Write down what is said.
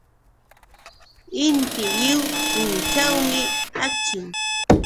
Inti lliw punćhawmi akchin.